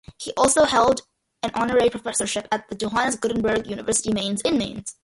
He also held an honorary professorship at the Johannes Gutenberg University Mainz in Mainz.